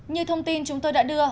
như thông tin chúng tôi đã đưa